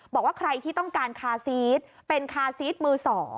บอกว่าใครที่ต้องการคาซีสเป็นคาซีสมือ๒